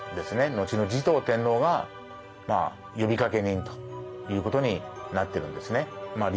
のちの持統天皇が呼びかけ人ということになってるんですね。